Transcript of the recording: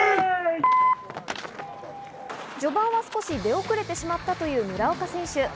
序盤は少し出遅れてしまったという村岡選手。